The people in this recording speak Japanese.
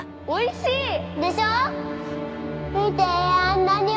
おいしい！